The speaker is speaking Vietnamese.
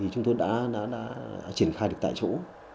chúng tôi đã triển khai được tại chỗ